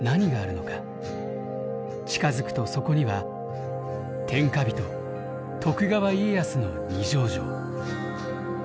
近づくとそこには天下人徳川家康の二条城。